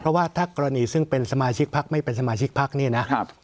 เพราะว่าถ้ากรณีซึ่งเป็นสมาชิกพักไม่เป็นสมาชิกพักเนี่ยนะ